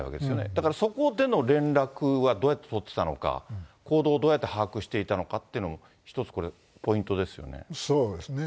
だから、そこでの連絡はどうやって取ってたのか、行動をどうやって把握していたのかというのも一つこれ、そうですね。